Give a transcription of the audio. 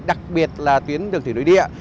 đặc biệt là tuyến đường thủy nội địa